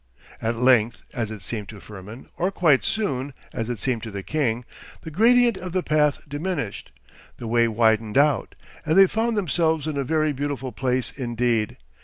At length, as it seemed to Firmin, or quite soon, as it seemed to the king, the gradient of the path diminished, the way widened out, and they found themselves in a very beautiful place indeed.